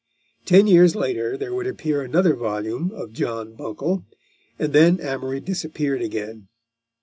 Ten years later there would appear another volume of John Buncle, and then Amory disappeared again.